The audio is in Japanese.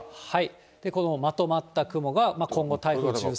このまとまった雲が、今後、台風１３号。